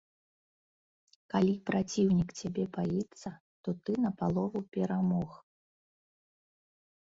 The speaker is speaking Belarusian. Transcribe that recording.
Калі праціўнік цябе баіцца, то ты напалову перамог.